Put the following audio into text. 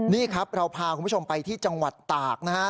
นี่ครับเราพาคุณผู้ชมไปที่จังหวัดตากนะฮะ